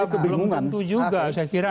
itu belum tentu juga saya kira